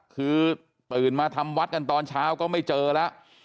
คือตื่นมาทำวัดกันตอนเช้าก็ไม่เจอแล้ว